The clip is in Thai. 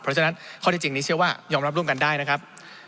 เพราะฉะนั้นข้อที่จริงนี้เชื่อว่ายอมรับร่วมกันได้นะครับ